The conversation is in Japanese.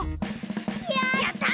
やった！